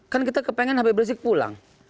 kan kita kepengen hp beresik pulang